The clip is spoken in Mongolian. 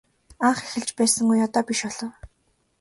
Анх эхэлж байсан үе одоо биш болов.